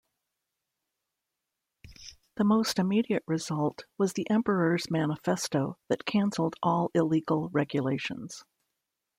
The most immediate result was the Emperor's manifesto that cancelled all illegal regulations.